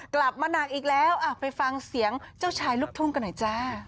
กลับมาหนักอีกแล้วไปฟังเสียงเจ้าชายลูกทุ่งกันหน่อยจ้า